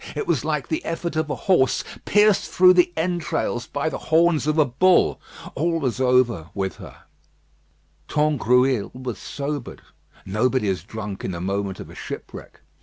It was like the effort of a horse pierced through the entrails by the horns of a bull. All was over with her. Tangrouille was sobered. Nobody is drunk in the moment of a shipwreck.